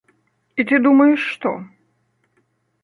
І ты думаеш што?